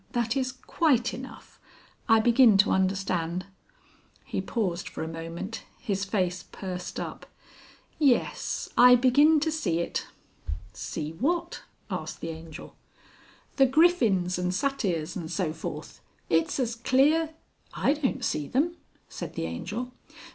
That is quite enough. I begin to understand." He paused for a moment, his face pursed up. "Yes ... I begin to see it." "See what?" asked the Angel. "The Griffins and Satyrs and so forth. It's as clear...." "I don't see them," said the Angel.